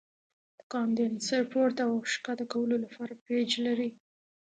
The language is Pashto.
د کاندنسر پورته او ښکته کولو لپاره پیچ لري.